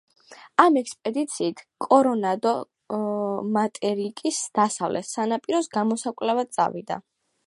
ამ ექსპედიციით კორონადო მატერიკის დასავლეთ სანაპიროს გამოსაკვლევად წავიდა.